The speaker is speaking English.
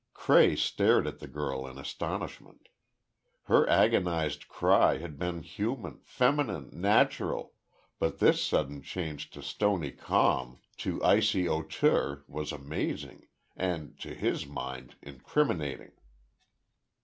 Cray stared at the girl in astonishment. Her agonized cry had been human, feminine, natural—but this sudden change to stony calm, to icy hauteur was amazing—and, to his mind, incriminating.